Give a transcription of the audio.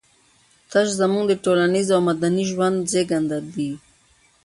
تش زموږ د ټولنيز او مدني ژوند زېږنده دي.